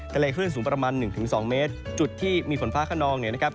คลื่นสูงประมาณหนึ่งถึงสองเมตรจุดที่มีฝนฟ้าขนองเนี่ยนะครับ